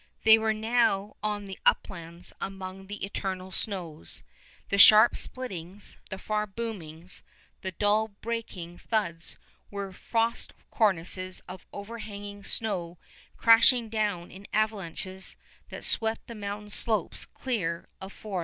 They were now on the Uplands among the eternal snows. The sharp splittings, the far boomings, the dull breaking thuds were frost cornices of overhanging snow crashing down in avalanches that swept the mountain slopes clear of forests.